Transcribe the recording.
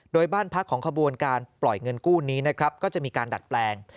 โดยบ้านพักของขบวนการปล่อยเงินกู้นี้นะครับก็จะมีการดัดแปลง